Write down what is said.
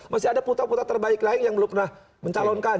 masih ada putra putra terbaik lain yang belum pernah mencalonkan